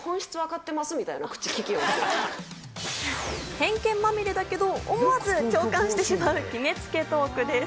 偏見まみれだけど思わず共感してしまう決めつけトークです。